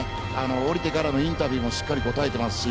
下りてからのインタビューもしっかり答えてますし。